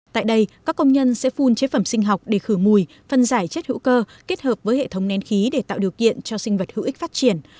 tại đây các công nhân sẽ phun chế phẩm sinh học để khử mùi phân giải chất hữu cơ kết hợp với hệ thống nén khí để tạo điều kiện cho sinh vật hữu ích phát triển